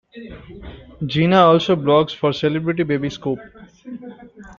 Gena also blogs for Celebrity Baby Scoop.